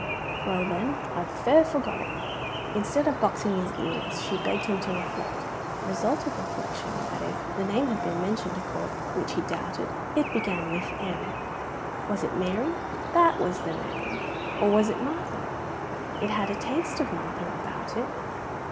"Well, then, I've fair forgot it." Instead of boxing his ears she begged him to reflect. Result of reflection, that if the name had been mentioned to Corp, which he doubted, it began with M. Was it Mary? That was the name. Or was it Martha? It had a taste of Martha about it.